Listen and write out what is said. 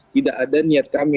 tidak ada niat kami